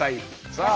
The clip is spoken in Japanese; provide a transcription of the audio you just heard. さあ。